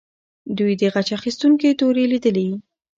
دوی د غچ اخیستونکې تورې لیدلې.